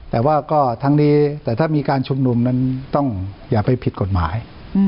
แต่ว่าก็ทั้งนี้แต่ถ้ามีการชุมนุมนั้นต้องอย่าไปผิดกฎหมาย